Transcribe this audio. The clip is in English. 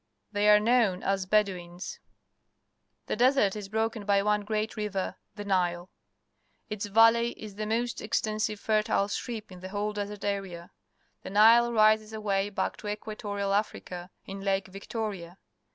They are known as Bedouins . The desert is broken by one great river — the Kile. Its valley is tlie only extensive fertile strip in the whole desert area. The Nile rises away back in Equatorial Africa, in Lake Victoria.